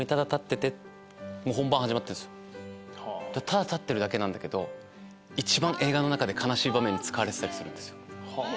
ただ立ってるだけなんだけど一番映画の中で悲しい場面に使われてたりするんですよ。